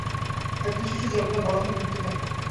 এক জন শিশু জন্মায়, বড় হয়, মৃত্যু হয়।